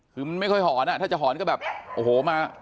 คือมันไม่ค่อยหอนอ่ะถ้าจะหอนก็แบบโอ้โหมา